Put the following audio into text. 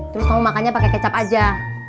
terus kamu makannya pakai kecap aja